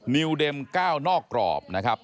นิวเด็มก้าวนอกกรอบนะครับ